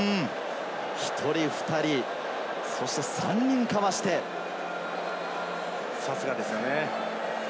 １人２人、そして３人かさすがですよね。